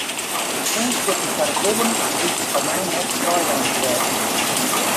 Freonskippen foar it libben lykje foar my net weilein te wêze.